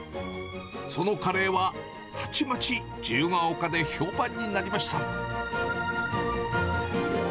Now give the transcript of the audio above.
そのカレーはたちまち自由が丘で評判になりました。